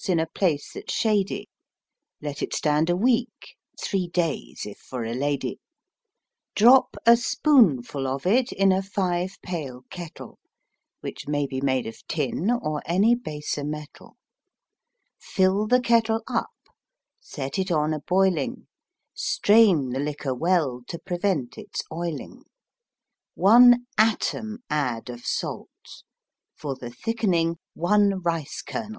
In a place that's shady; Let it stand a week (Three days if for a lady) ; Drop a spoonful of it In a five pail kettle, Which may be made of tin Or any baser metal; Fill the kettle up, Set it on a boiling, Strain the liquor well, To prevent its oiling; One atom add of salt, For the thickening one rice kernel.